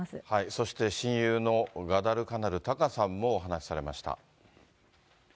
そして親友のガダルカナル・タカさんもお話しされました。